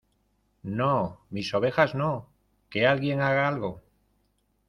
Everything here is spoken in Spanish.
¡ No, mis ovejas no! ¡ que alguien haga algo !